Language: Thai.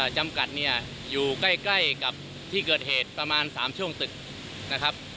จำกัดเนี่ยอยู่ใกล้กับที่เกิดเหตุประมาณ๓ช่วงตึกนะครับ